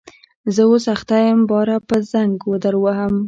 زه اوس اخته یم باره به زنګ در ووهم